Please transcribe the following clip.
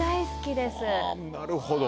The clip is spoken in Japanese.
なるほど。